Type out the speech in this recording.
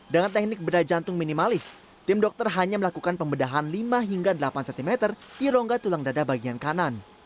dengan teknik bedah jantung minimalis tim dokter hanya melakukan pembedahan lima hingga delapan cm di rongga tulang dada bagian kanan